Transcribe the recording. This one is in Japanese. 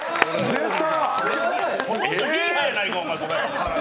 出た！